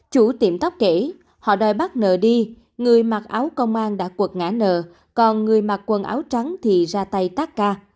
chủ tiệm tóc kể họ đòi bắt nợ đi người mặc áo công an đã cuột ngã nợ còn người mặc quần áo trắng thì ra tay tắt ca